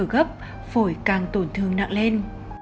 càng thở gấp phổi càng tổn thương nặng lên